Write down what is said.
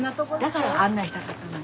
だから案内したかったの。